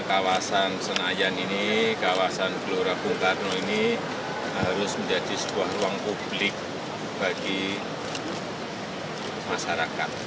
kawasan senayan ini kawasan gelora bung karno ini harus menjadi sebuah ruang publik bagi masyarakat